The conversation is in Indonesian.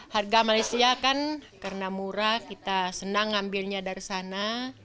harga malaysia kan karena murah kita senang ngambilnya dari sana